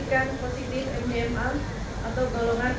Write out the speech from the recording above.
dan kepolisian keuangan